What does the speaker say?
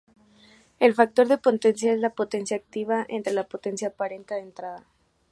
El factor de potencia es la potencia activa entre la potencia aparente de entrada.